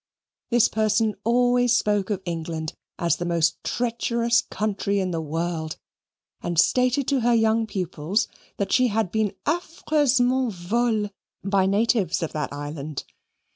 This person always spoke of England as of the most treacherous country in the world, and stated to her young pupils that she had been affreusement vole by natives of that island.